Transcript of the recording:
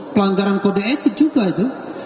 pelanggaran kode etik juga itu